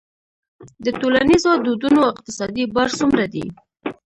د ټولنیزو دودونو اقتصادي بار څومره دی؟